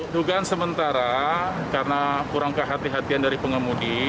dugaan sementara karena kurang kehati hatian dari pengemudi